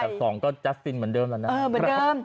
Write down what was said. อันดับสองก็แจ๊สตินเหมือนเดิมแล้วนะฮะเออเหมือนเดิม